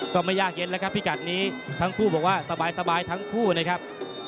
ก็ไม่ยากเย็นแล้วครับพิกัดนี้ทั้งคู่บอกว่าสบายทั้งคู่นะครับ